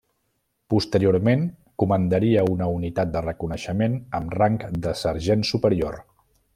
Posteriorment comandaria una unitat de reconeixement amb rang de sergent superior.